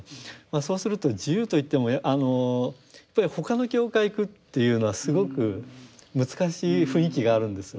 そうすると自由といってもあのやっぱり他の教会行くっていうのはすごく難しい雰囲気があるんですよ。